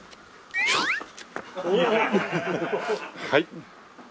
はい。